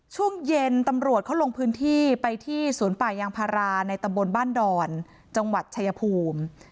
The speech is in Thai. ช่วงเย็นตำรวจเขาลงพื้นที่ไปที่สวนป่ายางพาราในตำบลบ้านดอนจังหวัดชายภูมิ